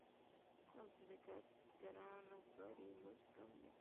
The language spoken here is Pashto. هلته د کارګرانو کاري مزد کم دی